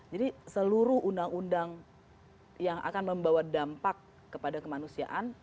jadi seluruh undang undang yang akan membawa dampak kepada kemanusiaan